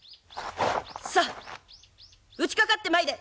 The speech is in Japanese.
さっ打ちかかってまいれ！